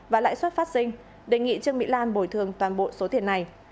và lãi suất phát sinh đề nghị trương mỹ lan bồi thường toàn bộ số tiền này